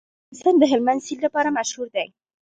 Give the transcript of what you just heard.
افغانستان د هلمند سیند لپاره مشهور دی.